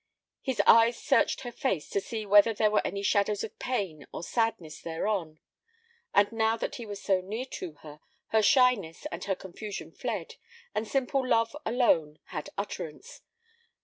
His eyes searched her face to see whether there were any shadow of pain or sadness thereon. And now that he was so near to her, her shyness and her confusion fled, and simple love alone had utterance.